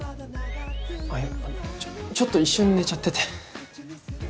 あっいやちょっと一瞬寝ちゃってて。